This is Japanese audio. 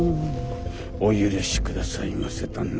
お許しくださいませ旦那